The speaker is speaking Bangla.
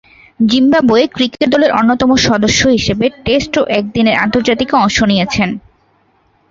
জিম্বাবুয়ে ক্রিকেট দলের অন্যতম সদস্য হিসেবে টেস্ট ও একদিনের আন্তর্জাতিকে অংশ নিয়েছেন।